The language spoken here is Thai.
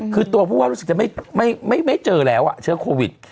คือตัวผู้ว่ารู้สึกจะไม่เจอแล้วเชื้อโควิด